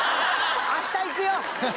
明日行くよ！